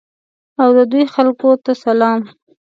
او د دوی خلکو ته سلام.